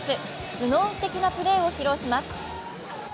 頭脳的なプレーを披露します。